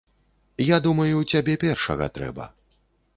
Я думаю, цябе першага трэба.